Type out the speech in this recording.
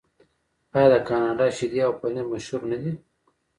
آیا د کاناډا شیدې او پنیر مشهور نه دي؟